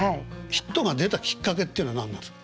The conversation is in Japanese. ヒットが出たきっかけはっていうのは何なんですか？